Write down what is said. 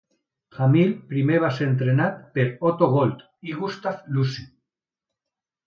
Hamill primer va ser entrenat per Otto Gold i Gustave Lussi.